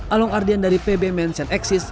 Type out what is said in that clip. along ardian dari pb mansion exis